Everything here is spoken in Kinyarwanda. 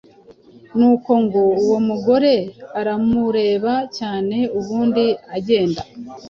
Nuko ngo uwo mugore aramureba cyane ubundi agenda "